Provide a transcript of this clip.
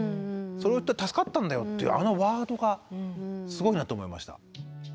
「そうやって助かったんだよ」っていうあのワードがすごいなと思いました。